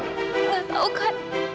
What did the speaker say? gak tau kan